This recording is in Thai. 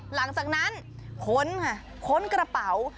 หลังจากนั้นค้นค่ะค้นกระเป๋า